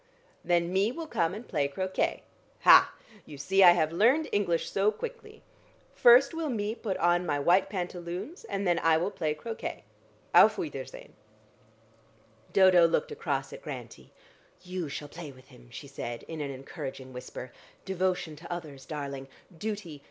Then me will come and play croquet. Ha! You see I have learned English so quickly. First will me put on my white pantaloons, and then I will play croquet. Auf wiedersehen." Dodo looked across at Grantie. "You shall play with him," she said in an encouraging whisper. "Devotion to others, darling! Duty!